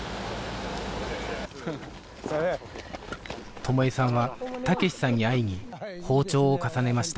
友枝さんは武志さんに会いに訪朝を重ねました